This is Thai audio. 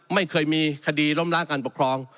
ไม่เคยมีคดีล้มล้างการปกครอง